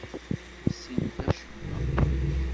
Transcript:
Ur ssinent acemma.